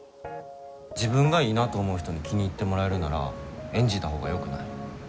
自分がいいなと思う人に気に入ってもらえるなら演じたほうがよくない？